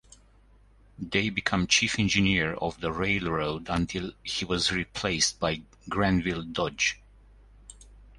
Dey became chief engineer of the railroad until he was replaced by Grenville Dodge.